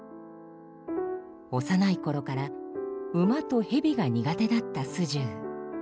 幼い頃から馬と蛇が苦手だった素十。